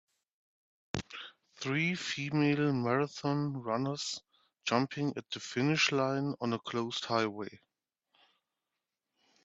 Three female marathon runners, jumping at the finish line on a closed highway.